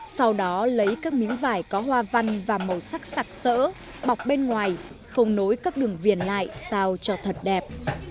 sau đó lấy các miếng vải có hoa văn và màu sắc sặc sỡ bọc bên ngoài không nối các đường viền lại sao cho thật đẹp